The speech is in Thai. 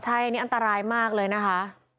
ใช่นี่อันตรายมากเลยนะคะ